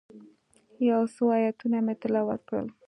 یو څو آیتونه مې تلاوت کړل.